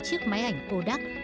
chiếc máy ảnh kodak